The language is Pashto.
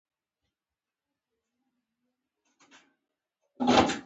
هغوی د سړک پر غاړه د پاک ژوند ننداره وکړه.